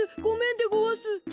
ごめんでごわす。